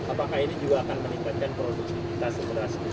apakah ini juga akan meningkatkan produktivitas segera sekitar untuk secara nasional